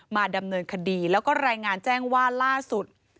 มาดำเนินคดีแล้วก็รายงานแจ้งว่าล่าสุด